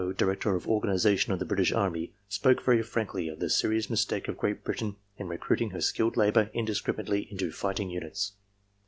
Director of Organization of the British Army, spoke very frankly of the serious mistake of Great Britain in recruiting her skilled labor indiscriminately into fighting units.